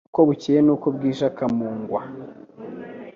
uko bukeye n'uko bwije akamungwa.